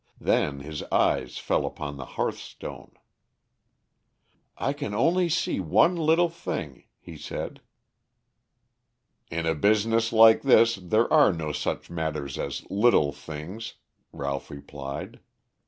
Then his eyes fell upon the hearthstone. "I can only see one little thing," he said. "In a business like this, there are no such matters as little things," Ralph replied.